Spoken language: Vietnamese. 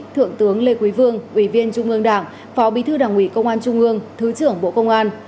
thượng tướng lê quý vương ủy viên trung ương đảng phó bí thư đảng ủy công an trung ương thứ trưởng bộ công an